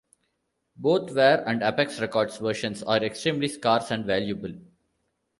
Both Ware and Apex Records versions are extremely scarce and valuable.